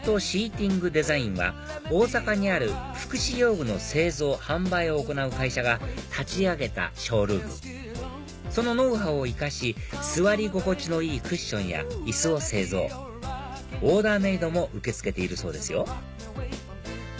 ＮＴＯＳＥＡＴＩＮＧＤＥＳＩＧＮは大阪にある福祉用具の製造・販売を行う会社が立ち上げたショールームそのノウハウを生かし座り心地のいいクッションや椅子を製造オーダーメイドも受け付けているそうですよ